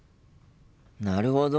なるほど。